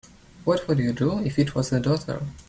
What would you do if it was a daughter?